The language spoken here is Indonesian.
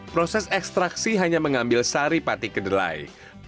proses ekstraksi hanya mengambil sari pati kedelai